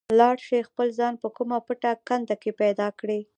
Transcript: لاړ شئ خپل ځان په کومه پټه کنده کې پیدا کړئ.